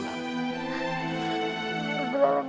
untuk kita lakukan kontrol uran